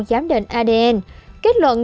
giám định adn kết luận